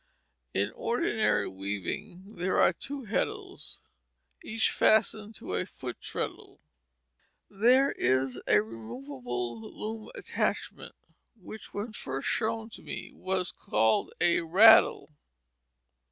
In ordinary weaving there are two heddles, each fastened to a foot treadle. There is a removable loom attachment which when first shown to me was called a raddle.